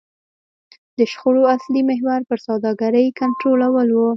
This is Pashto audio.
د شخړو اصلي محور پر سوداګرۍ کنټرول و.